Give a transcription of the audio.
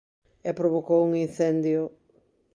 E provocou un incendio...